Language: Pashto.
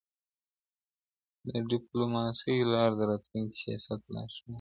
د ډيپلوماسی لار د راتلونکي سیاست لارښود دي.